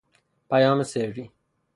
پیام سری